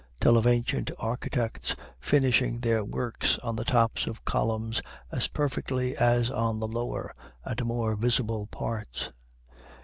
Tell of ancient architects finishing their works on the tops of columns as perfectly as on the lower and more visible parts!